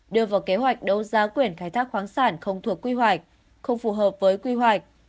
đưa vào kế hoạch đấu giá quyền khai thác khoáng sản không thuộc quy hoạch không phù hợp với quy hoạch